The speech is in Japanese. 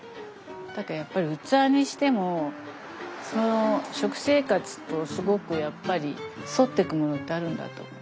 だからやっぱり器にしてもその食生活とすごくやっぱり沿ってくものってあるんだと思う。